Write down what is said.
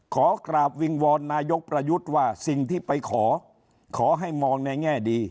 ขอกราบวิงวอนนายกประยุทธ์ว่าสิ่งที่ไปขอขอให้มองในแง่ดี